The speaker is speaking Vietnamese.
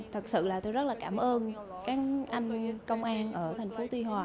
thật sự là tôi rất là cảm ơn các anh công an ở thành phố tuy hòa